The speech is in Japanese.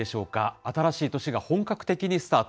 新しい年が本格的にスタート。